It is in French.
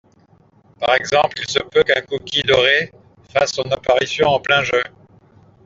Par exemple, il se peut qu’un cookie doré fasse son apparition en plein jeu.